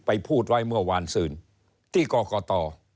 พูดไว้เมื่อวานซื่นที่กรกต